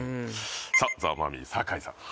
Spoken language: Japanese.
さっザ・マミィ酒井さん